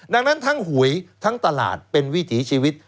ดังนั้นทั้งหวยทั้งตลาดเป็นวิถีชีวิต